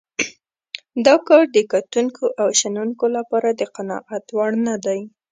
دا کار د کتونکو او شنونکو لپاره د قناعت وړ نه دی.